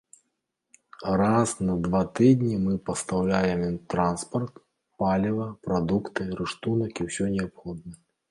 Раз на два тыдні мы пастаўляем ім транспарт, паліва, прадукты, рыштунак і ўсё неабходнае.